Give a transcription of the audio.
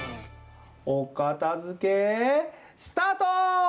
おかたづけスタート！